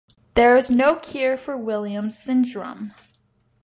There is no cure for Williams syndrome.